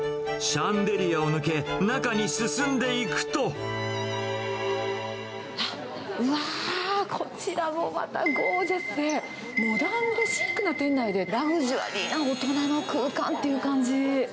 シャンデリアを抜け、中に進あっ、うわーっ、こちらもまたゴージャスで、モダンでシックな店内で、ラグジュアリーな大人の空間って感じ。